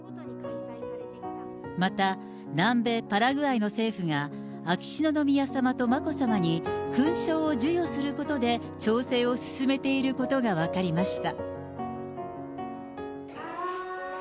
また、南米パラグアイの政府が、秋篠宮さまと眞子さまに勲章を授与することで、調整を進めていることが分かりました。